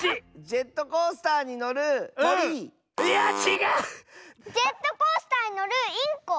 ジェットコースターにのるインコ？